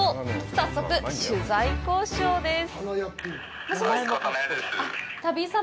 早速、取材交渉です。